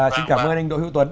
xin cảm ơn anh đỗ hữu tuấn